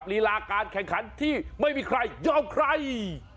สำหรับฤลาการแข่งขันที่ไม่มีใครยอมใคร